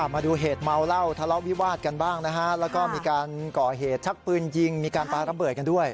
มาดูเหตุเมาเหล้าทะเลาะวิวาดกันบ้างนะฮะแล้วก็มีการก่อเหตุชักปืนยิงมีการปลาระเบิดกันด้วย